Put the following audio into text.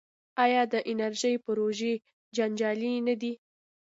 آیا د انرژۍ پروژې جنجالي نه دي؟